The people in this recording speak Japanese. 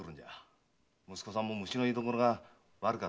息子さんも虫の居所が悪かっただけでしょ。